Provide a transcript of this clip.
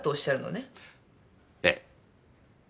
ええ。